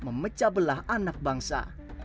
memecah belah anak bangsa